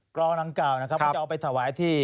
กรองดังกล่าวนะครับก็จะเอาไปถวายที่